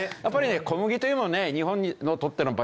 やっぱりね小麦というものはね。